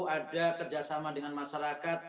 ada kerjasama dengan masyarakat